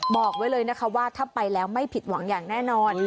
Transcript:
บอกไว้เลยนะคะว่าถ้าไปแล้วไม่ผิดหวังอย่างแน่นอน